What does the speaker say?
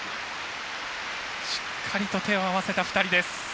しっかりと手を合わせた２人です。